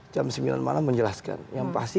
jam sembilan malam menjelaskan yang pasti